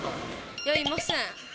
いや、いません。